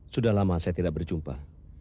sudah lama saya tidak berjumpa